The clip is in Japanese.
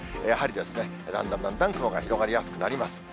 やはり、だんだんだんだん雲が広がりやすくなります。